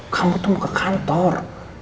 kamu tuh mau ke kantor